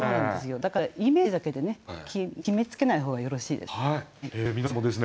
だからイメージだけで決めつけない方がよろしいですね。